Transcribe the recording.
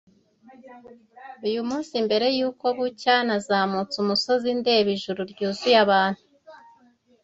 Uyu munsi mbere yuko bucya nazamutse umusozi ndeba ijuru ryuzuye abantu,